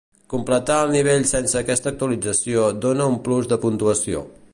Completar el nivell sense aquesta actualització dona un plus de puntuació.